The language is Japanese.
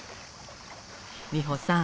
美穂さん